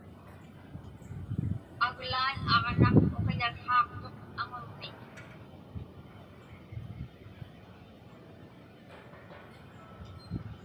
Aglaan aġnaq uqiḷhaaqtuq aŋunmiñ.